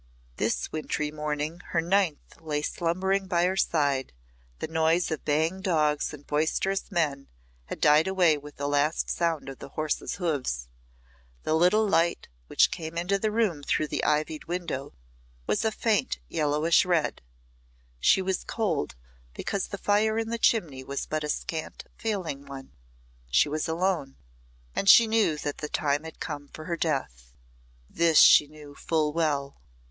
This wintry morning her ninth lay slumbering by her side; the noise of baying dogs and boisterous men had died away with the last sound of the horses' hoofs; the little light which came into the room through the ivied window was a faint yellowish red; she was cold, because the fire in the chimney was but a scant, failing one; she was alone and she knew that the time had come for her death. This she knew full well.